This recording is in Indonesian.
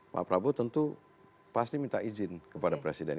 pak prabowo tentu pasti minta izin kepada presiden